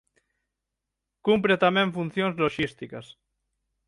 Cumpre tamén funcións loxísticas.